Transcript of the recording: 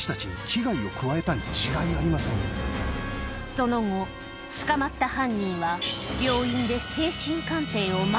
その後捕まった犯人は怖っ！